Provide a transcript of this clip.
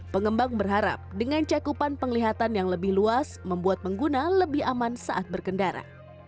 pengembang berharap dengan cakupan penglihatan yang lebih luas membuat pengguna lebih aman saat berkendara